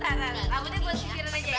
tahan tahan rambutnya gue sihirin aja ya